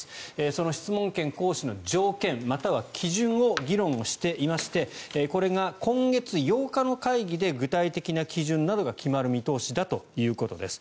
その質問権行使の条件または基準を議論していましてこれが今月８日の会議で具体的な基準などが決まる見通しだということです。